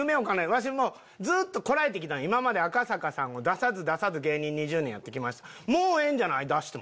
わしもうずっとこらえて来たん今まで赤坂さんを出さず出さず芸人２０年やって来ましたもうええんじゃない？出しても。